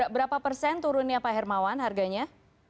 berapa persen turunnya pak hermawan harganya